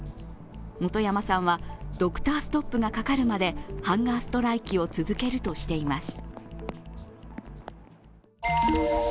元山さんはドクターストップがかかるまでハンガーストライキを続けるとしています。